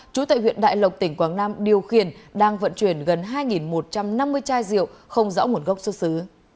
chú tại huyện đại lộc tỉnh quảng nam điều khiển đang vận chuyển gần hai một trăm năm mươi chai rượu không rõ nguồn gốc xuất xứ